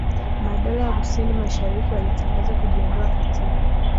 madola ya kusini mashariki yalitangaza kujiondoa katika